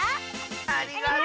ありがとう！